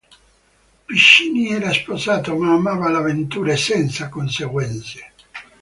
Piccinni era sposato ma amava le avventure senza conseguenze.